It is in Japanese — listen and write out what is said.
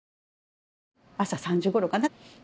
朝３時ごろかな？